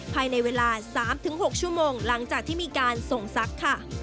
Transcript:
ภายในเวลา๓๖ชั่วโมงหลังจากที่มีการส่งซักค่ะ